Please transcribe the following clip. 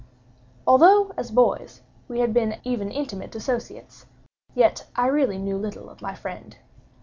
Although, as boys, we had been even intimate associates, yet I really knew little of my friend.